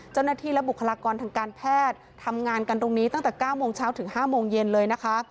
เจ้าหน้าที่และบุคลากรทางการแพทย์ทำงานกันตรงนี้ตั้งแต่๙โมงเช้าถึง๕โมงเย็นเลยนะคะ